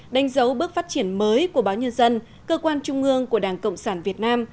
đánh dấu bước phát triển mới của báo nhân dân cơ quan trung ương của đảng cộng sản việt nam